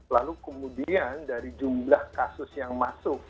lalu kemudian dari jumlah kasus yang masuk